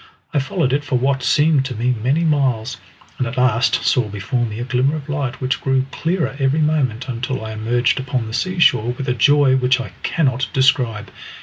I followed it for what seemed to me many miles, and at last saw before me a glimmer of light which grew clearer every moment until I emerged upon the sea shore with a joy which I cannot describe.